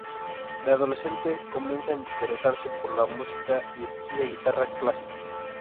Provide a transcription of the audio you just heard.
De adolescente, comienza a interesarse por la música y estudia guitarra clásica.